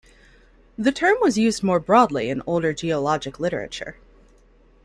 The term was used more broadly in older geologic literature.